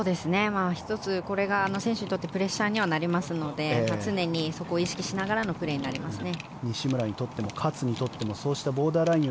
１つこれが選手にとってプレッシャーにはなりますので常にそこを意識しながらのプレーになりますね。